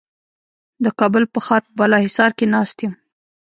د کابل په ښار په بالاحصار کې ناست یم.